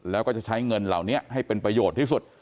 แล้วก็จะใช้เงินเหล่านี้ให้เป็นประโยชน์ที่สุด